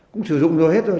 cũng sử dụng rồi hết rồi